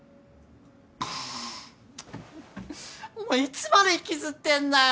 いつまで引きずってんだよ！